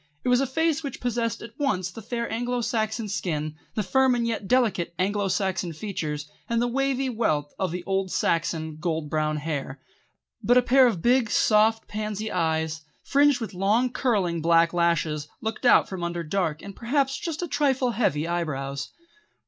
It was a face which possessed at once the fair Anglo Saxon skin, the firm and yet delicate Anglo Saxon features, and the wavy wealth of the old Saxon gold brown hair; but a pair of big, soft, pansy eyes, fringed with long, curling, black lashes, looked out from under dark and perhaps just a trifle heavy eyebrows.